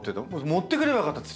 持ってくればよかった土。